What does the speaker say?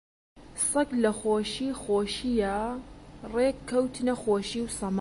سەگ لە خۆشی خۆشییا ڕێک کەوتنە خۆشی و سەما